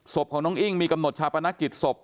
ศพของน้องอิ้งมีกำหนดชาปนกิจศพ